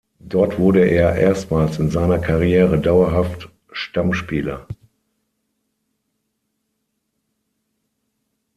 Dort wurde er erstmals in seiner Karriere dauerhaft Stammspieler.